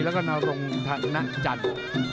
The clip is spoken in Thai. แล้วก็นรงธนจันทร์